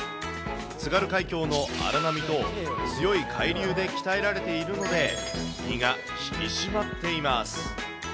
津軽海峡の荒波と、強い海流で鍛えられているので、身が引き締まっています。